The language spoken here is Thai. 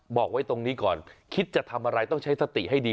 บอกไว้ตรงนี้ก่อนคิดจะทำอะไรต้องใช้สติให้ดี